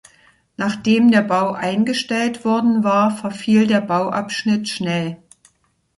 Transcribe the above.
Nachdem der Bau eingestellt worden war, verfiel der Bauabschnitt schnell.